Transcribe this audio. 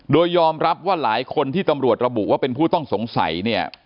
โดยยอมรับว่าหลายคนที่ตำรวจระบุว่าเป็นผู้ต้องสงสัยเนี่ย